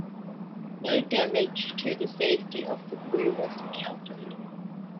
No damage to the safety of the crew was encountered.